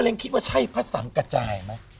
ปะเล้งคิดว่าใช่ภาษามันกระจายไหม